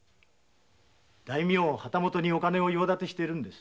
大名などにお金の用立てしてるんです。